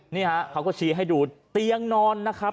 นี่ฮะเขาก็ชี้ให้ดูเตียงนอนนะครับ